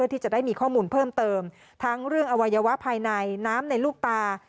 ที่จะได้มีข้อมูลเพิ่มเติมทั้งเรื่องอวัยวะภายในน้ำในลูกตา